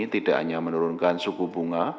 tidak hanya menurunkan suku bunga